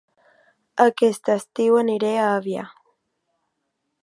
Aquest estiu aniré a Avià